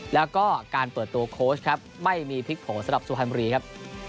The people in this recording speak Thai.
แล้วก็การเปิดตัวโค้ชครับไม่มีพลิกผลสำหรับสุพรรณบุรีครับ